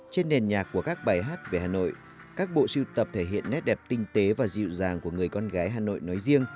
trên nền nhạc của các bài hát về hà nội các bộ siêu tập thể hiện nét đẹp tinh tế và dịu dàng của người con gái hà nội nói riêng